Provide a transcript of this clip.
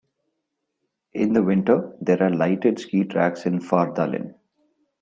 In the winter there are lighted ski tracks in Fardalen.